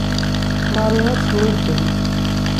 Marie ad tennuddem.